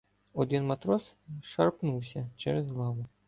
Один матрос шарпнувся через лаву.